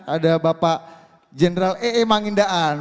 ada bapak general ee mangindaan